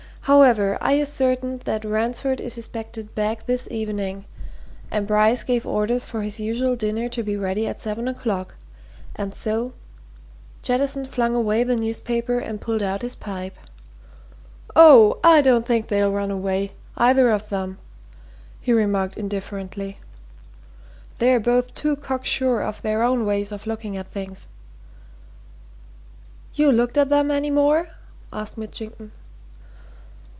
However, I ascertained that Ransford is expected back this evening, and Bryce gave orders for his usual dinner to be ready at seven o'clock, and so " Jettison flung away the newspaper and pulled out his pipe. "Oh, I don't think they'll run away either of 'em," he remarked indifferently. "They're both too cock sure of their own ways of looking at things." "You looked at 'em any more?" asked Mitchington.